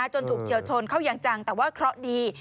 ถูกเฉียวชนเข้าอย่างจังแต่ว่าเคราะห์ดี